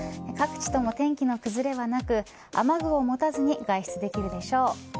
各地とも天気の崩れはなく雨具を持たずに外出できるでしょう。